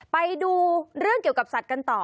ไปดูเรื่องเกี่ยวกับสัตว์กันต่อ